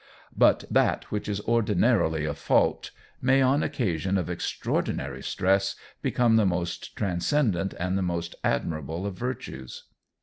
But that which is ordinarily a fault may, on occasion of extraordinary stress, become the most transcendent and the most admirable of virtues.